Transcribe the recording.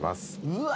うわ！